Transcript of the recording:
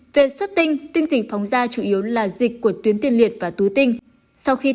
về xuất tinh tinh dịch phóng ra chủ yếu là dịch của tuyến tiền liệt và túi tinh